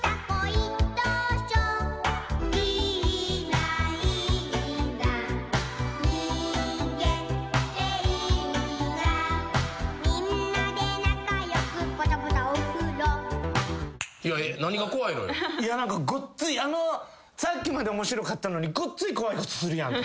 いや何かごっついさっきまで面白かったのにごっつい怖いことするやん。